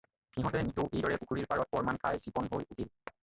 সিহঁতে নিতৌ এইদৰে পুখুৰীৰ পাৰত পৰমান খাই চিকণ হৈ উঠিল।